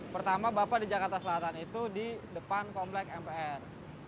pertama bapak di jakarta selatan itu di depan komplek mpr